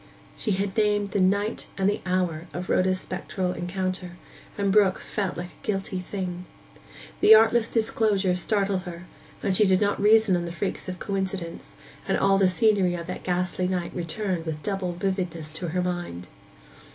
She had named the night and the hour of Rhoda's spectral encounter, and Brook felt like a guilty thing. The artless disclosure startled her; she did not reason on the freaks of coincidence; and all the scenery of that ghastly night returned with double vividness to her mind.